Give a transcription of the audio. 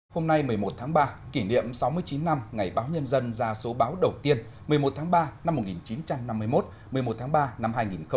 hôm nay một mươi một tháng ba kỷ niệm sáu mươi chín năm ngày báo nhân dân ra số báo đầu tiên một mươi một tháng ba năm một nghìn chín trăm năm mươi một một mươi một tháng ba năm hai nghìn hai mươi